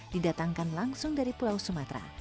didatangkan langsung dari pulau sumatera